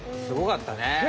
すごかったね。